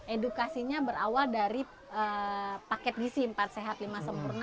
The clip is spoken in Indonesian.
edukasinya berawal dari paket gisi empat sehat lima sempurna